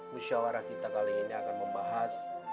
musyawarah kita kali ini akan membahas